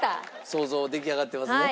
想像出来上がってますね？